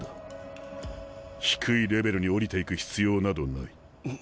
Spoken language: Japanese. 低いレベルに下りていく必要などない。